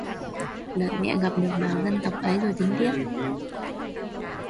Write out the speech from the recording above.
Đợi mẹ gặp được bà dân tộc ấy rồi tính tiếp